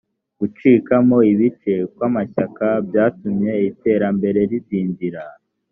gucikamo ibice kw’amashyaka byatumye iterambere ridindira